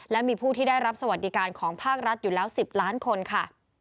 และมีผู้ที่ได้รับสวัสดิการของภาครัฐอยู่แล้ว๑๐ล้านคนค่ะ